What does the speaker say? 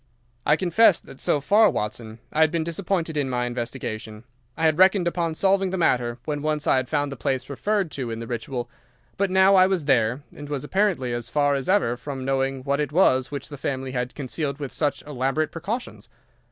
"I confess that so far, Watson, I had been disappointed in my investigation. I had reckoned upon solving the matter when once I had found the place referred to in the Ritual; but now I was there, and was apparently as far as ever from knowing what it was which the family had concealed with such elaborate precautions.